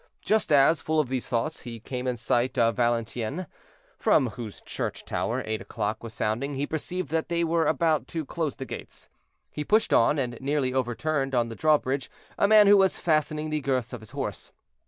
Just as—full of these thoughts—he came in sight of Valenciennes, from whose church tower eight o'clock was sounding, he perceived that they were about to close the gates. He pushed on, and nearly overturned, on the drawbridge, a man who was fastening the girths of his horse.